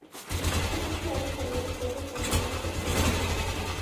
სოფელში არის თერმული წყლების რამდენიმე წერტილი.